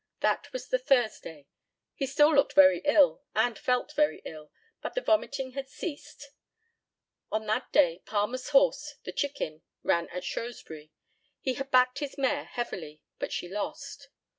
That was the Thursday. He still looked very ill, and felt very ill; but the vomiting had ceased. On that day Palmer's horse, the Chicken, ran at Shrewsbury. He had backed his mare heavily, but she lost.